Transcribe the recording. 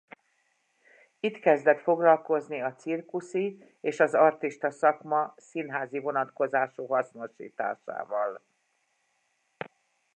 Itt kezdett foglalkozni a cirkuszi és az artista szakma színházi vonatkozású hasznosításával.